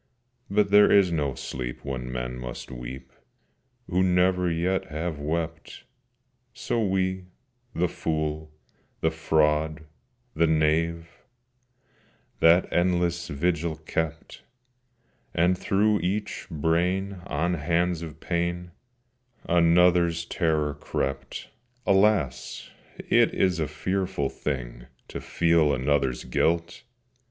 But there is no sleep when men must weep Who never yet have wept: So we—the fool, the fraud, the knave— That endless vigil kept, And through each brain on hands of pain Another's terror crept. Alas! it is a fearful thing To feel another's guilt!